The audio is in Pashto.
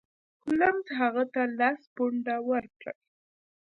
هولمز هغه ته لس پونډه ورکړل.